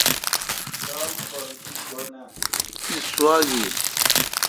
تس سوا گین۔